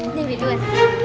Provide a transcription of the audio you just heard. ini lebih duit